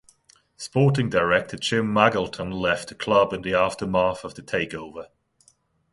Sporting Director Jim Magilton left the club in the aftermath of the takeover.